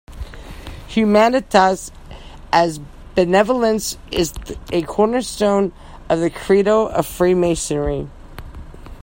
"Humanitas", as benevolence, is a cornerstone of the credo of Freemasonry.